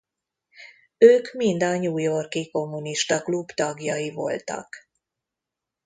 Ők mind a New York-i Kommunista Klub tagjai voltak.